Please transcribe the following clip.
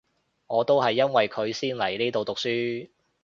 我都係因為佢先嚟呢度讀書